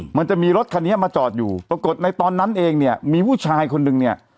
มันจะมีรถคันนี้มาจอดอยู่ปรากฏในตอนนั้นเองเนี่ยมีผู้ชายคนนึงเนี่ย